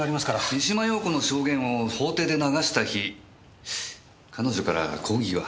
三島陽子の証言を法廷で流した日彼女から抗議は？